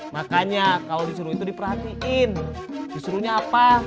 makanya kalau disuruh itu diperhatiin disuruhnya apa